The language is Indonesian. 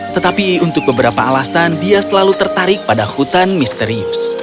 tetapi untuk beberapa alasan dia selalu tertarik pada hutan misterius